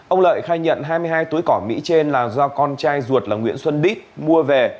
ông lợi khai nhận hai mươi hai túi cỏ mỹ trên là do con trai ruột là nguyễn xuân đít mua về